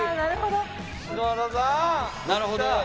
あなるほど。